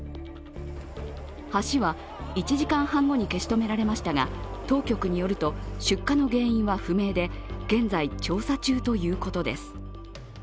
橋は１時間半後に消し止められましたが当局によると出火の原因は不明で現在、調査中ということです。